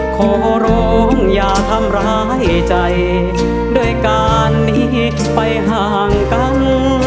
ขอร้องอย่าทำร้ายใจด้วยการหนีไปห่างกัน